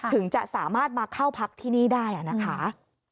ถึงจะสามารถมาเข้าพักที่นี่ได้นะคะ